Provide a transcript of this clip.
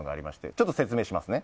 ちょっと説明しますね。